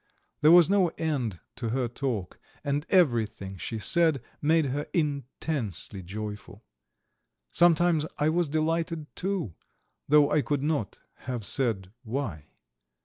There was no end to her talk, and everything she said made her intensely joyful. Sometimes I was delighted, too, though I could not have said why.